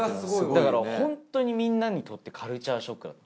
だからホントにみんなにとってカルチャーショックだった。